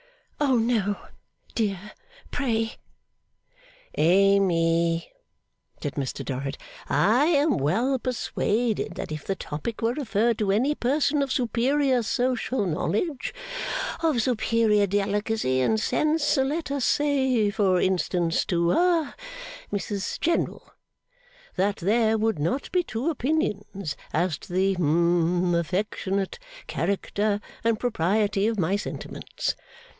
'Oh no, dear! Pray!' 'Amy,' said Mr Dorrit, 'I am well persuaded that if the topic were referred to any person of superior social knowledge, of superior delicacy and sense let us say, for instance, to ha Mrs General that there would not be two opinions as to the hum affectionate character and propriety of my sentiments.